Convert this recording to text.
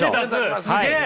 すげえ。